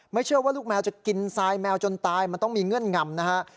เชื่อว่าลูกแมวจะกินทรายแมวจนตายมันต้องมีเงื่อนงำนะฮะ